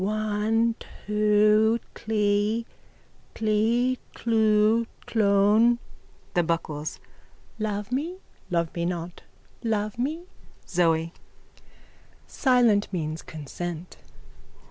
_ One two tlee: tlee tlwo tlone. THE BUCKLES: Love me. Love me not. Love me. ZOE: Silent means consent.